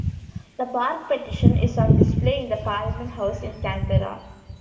The Bark Petition is on display in the Parliament House in Canberra.